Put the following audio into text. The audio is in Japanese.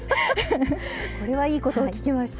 これはいいことを聞きました。